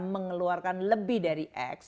mengeluarkan lebih dari x